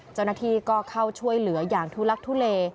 เจ้าหน้าที่ก็เข้าช่วยเหลืออย่างทุลักทุเล